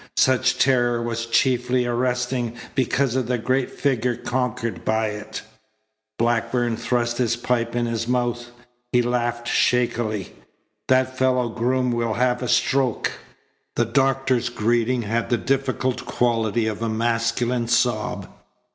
Such terror was chiefly arresting because of the great figure conquered by it. Blackburn thrust his pipe in his mouth. He laughed shakily. "That fellow Groom will have a stroke." The Doctor's greeting had the difficult quality of a masculine sob.